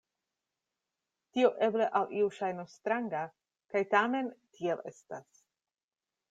Tio eble al iu ŝajnos stranga, kaj tamen tiel estas.